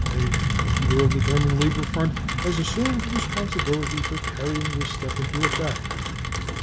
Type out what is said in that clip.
Ley, the leader of the German Labour Front, has assumed responsibility for carrying this step into effect."